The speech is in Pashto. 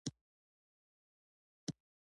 آب وهوا د افغان تاریخ په کتابونو کې ذکر شوې ده.